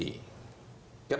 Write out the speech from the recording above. kan kita punya juga nendekat